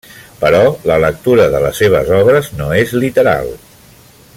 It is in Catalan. Però la lectura de les seves obres no és literal.